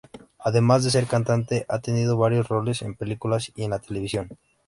Además de ser cantante ha tenido varios roles en películas y en la televisión.